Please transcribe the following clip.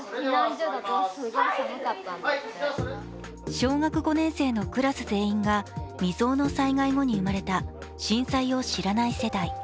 小学５年生のクラス全員が未曾有の災害後に生まれた震災を知らない世代。